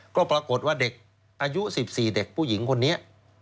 ก็ปรากฏว่าเด็กอายุ๑๔เด็กผู้หญิงคนนี้